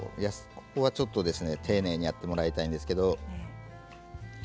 ここはちょっと丁寧にやってもらいたいんですけど。